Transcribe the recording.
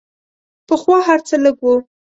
پخوا هر څه لږ وو.